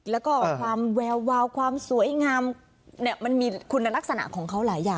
แล้วก็ความแวววาวความสวยงามมันมีคุณลักษณะของเขาหลายอย่าง